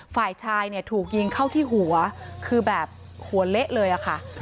ฝ่ายชายเนี่ยถูกยิงเข้าที่หัวคือแบบหัวเละเลยอะค่ะ